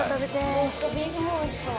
ローストビーフもおいしそう。